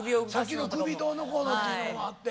さっきの首どうのこうのというのもあって。